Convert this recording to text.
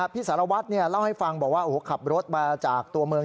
พี่สารวัฒน์รอดบอกว่าขับรถมาจากตัวเมือง